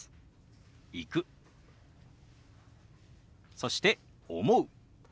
そして「思う」。